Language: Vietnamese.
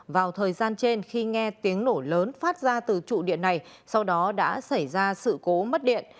vào thời gian trên khi nghe tiếng nổ lớn phát ra từ trụ điện này sau đó đã xảy ra sự cố mất điện